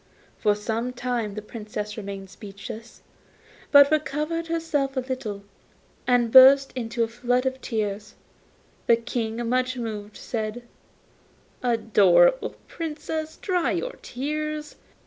For some time the Princess remained speechless; but recovering herself a little, she burst into a flood of tears. The King, much moved, said, 'Adorable Princess, dry your tears.